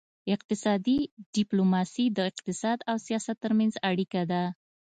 اقتصادي ډیپلوماسي د اقتصاد او سیاست ترمنځ اړیکه ده